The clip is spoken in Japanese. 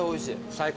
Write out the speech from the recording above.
最高。